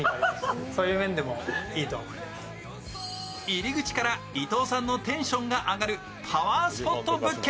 入り口から伊藤さんのテンションが上がるパワースポット物件。